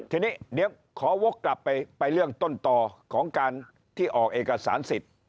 ทีนี้เดี๋ยวขอวกกลับไปเรื่องต้นต่อของการที่ออกเอกสารสิทธิ์